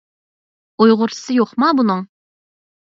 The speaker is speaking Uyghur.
ئۇيغۇرچىسى يوقما بۇنىڭ؟